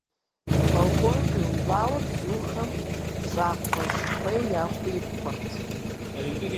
Балконым къиувауэ бзухэм щӏакхъуэ щыкъуей яхуипхъырт.